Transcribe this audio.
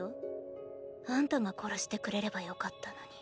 あんたが殺してくれればよかったのに。